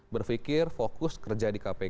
berpikir fokus kerja di kpk